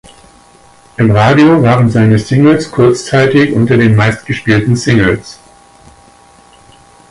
Im Radio waren seine Singles kurzzeitig unter den meistgespielten Singles.